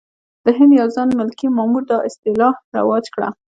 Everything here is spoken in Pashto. د هند یو ځوان ملکي مامور دا اصطلاح رواج کړه.